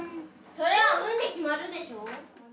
それは運で決まるでしょ。